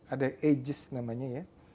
ada ages namanya ya